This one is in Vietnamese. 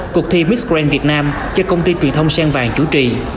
cuộc thi mixed grand việt nam cho công ty truyền thông xen vàng chủ trì